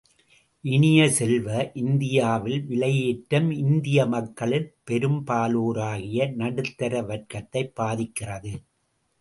இனிய செல்வ, இந்தியாவில் விலையேற்றம் இந்திய மக்களில் பெரும்பாலோராகிய நடுத்தர வர்க்கத்தைப் பாதிக்கிறது.